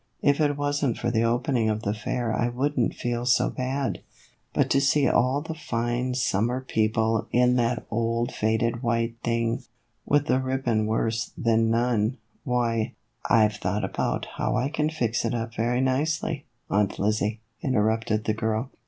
If it was n't for the opening of the fair I would n't feel so bad, but to see all the fine sum THE EVOLUTION OF A BONNET. 113 mer people in that old faded white thing, with the ribbon worse than none, why "" I 've thought how I can fix it up very nicely, Aunt Lizzie," interrupted the girl.